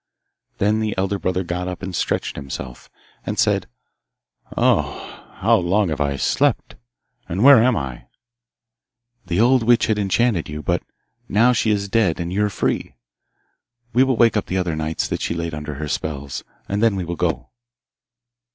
Then the elder brother got up and stretched himself, and said, 'Oh, how long I have slept! And where am I?' 'The old witch had enchanted you, but now she is dead and you are free. We will wake up the other knights that she laid under her spells, and then we will go.